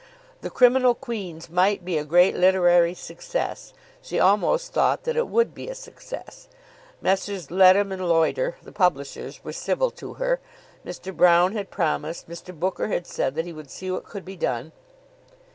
The "Criminal Queens" might be a great literary success. She almost thought that it would be a success. Messrs. Leadham and Loiter, the publishers, were civil to her. Mr. Broune had promised. Mr. Booker had said that he would see what could be done.